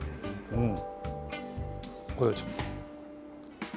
うん。